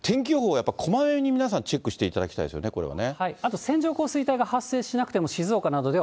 やっぱりこまめに皆さん、チェックしていただきたいですよね、これはね。